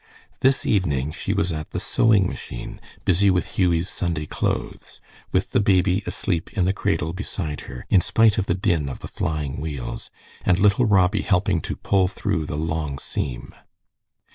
This evening she was at the sewing machine busy with Hughie's Sunday clothes, with the baby asleep in the cradle beside her in spite of the din of the flying wheels, and little Robbie helping to pull through the long seam.